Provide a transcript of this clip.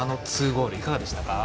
２ゴールいかがでしたか？